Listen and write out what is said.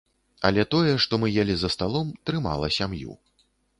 Але тое, што мы елі за сталом, трымала сям'ю.